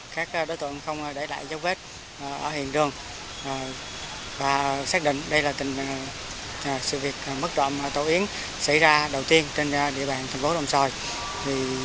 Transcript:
các đối tượng không để lại dấu vết ở hiện trường và xác định đây là tình sự việc mất trộm tàu yến xảy ra đầu tiên trên địa bàn thành phố đồng xoài